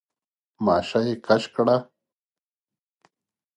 ماشه يې کش کړه.